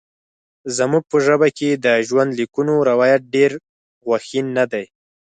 زموږ په ژبه کې د ژوندلیکونو روایت ډېر غوښین نه دی.